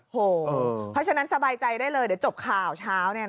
เพราะฉะนั้นสบายใจได้เลยเดี๋ยวจบข่าวเช้า